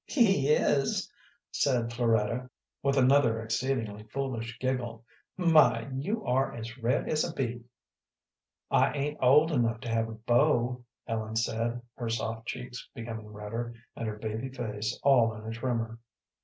"He is," said Floretta, with another exceedingly foolish giggle. "My, you are as red as a beet." "I ain't old enough to have a beau," Ellen said, her soft cheeks becoming redder, and her baby face all in a tremor.